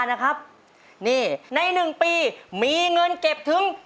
หนูก็เลยเลือกเพลงของแม่พึ่ง